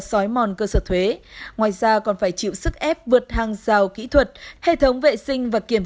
xói mòn cơ sở thuế ngoài ra còn phải chịu sức ép vượt hàng rào kỹ thuật hệ thống vệ sinh và kiểm